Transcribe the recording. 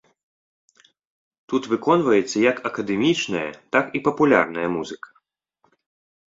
Тут выконваецца як акадэмічная, так і папулярная музыка.